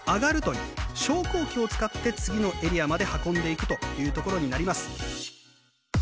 昇降機を使って次のエリアまで運んでいくというところになります。